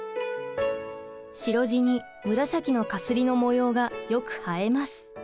白地に紫の絣の模様がよく映えます。